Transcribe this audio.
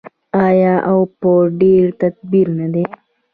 آیا او په ډیر تدبیر نه دی؟